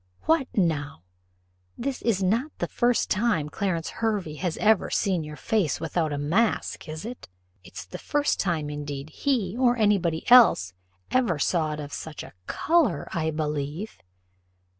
What now! This is not the first time Clarence Hervey has ever seen your face without a mask, is it? It's the first time indeed he, or anybody else, ever saw it of such a colour, I believe."